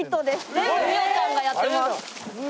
全部ミオちゃんがやってます。